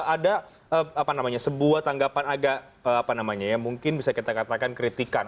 ada sebuah tanggapan agak apa namanya ya mungkin bisa kita katakan kritikan